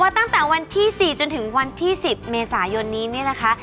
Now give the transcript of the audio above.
ตั้งแต่วันที่๔จนถึงวันที่๑๐เมษายนนี้เนี่ยนะคะ